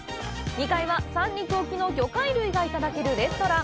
２階は、三陸沖の魚介類がいただけるレストラン。